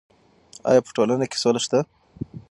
ایا په ټولنه کې سوله شته؟